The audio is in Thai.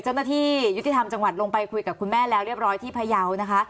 เจ้าหน้าที่ยุติธรรมจังหวัดลงไปคุยกับคุณแม่แล้วเรียบร้อยที่พยาวนะคะ